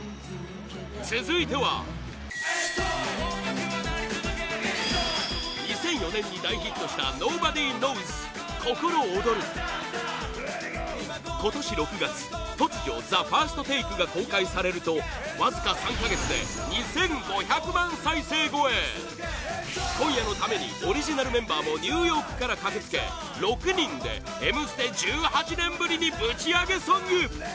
続いては２００４年に大ヒットしたｎｏｂｏｄｙｋｎｏｗｓ＋「ココロオドル」今年６月、突如「ＴＨＥＦＩＲＳＴＴＡＫＥ」が公開されると、わずか３か月で２５００万再生超え今夜のためにオリジナルメンバーもニューヨークから駆け付け６人で「Ｍステ」１８年ぶりにぶちアゲソング！